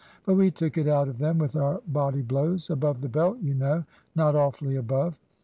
But we took it out of them with our body blows above the belt, you know not awfully above.